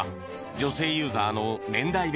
女性ユーザーの年代別